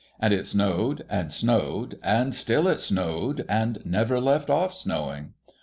And it snowed and snowed, and still it snowed, and never left off snowing.